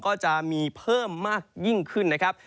ก็จะมีเพิ่มมากยิ่งขึ้นนะครับ